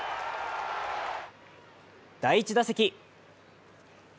第１打席。